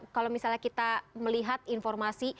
kalau misalnya kita melihat informasi